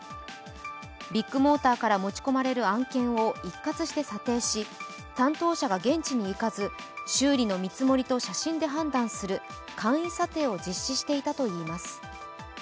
ビッグモーターから持ち込まれる案件を一括して査定し、担当者が現地に行かず、修理の見積もりと写真で判断する簡易査定を実施していたといいます。